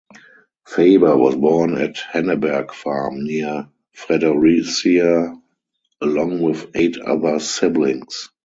Faber was born at Henneberg Farm near Fredericia along with eight other siblings.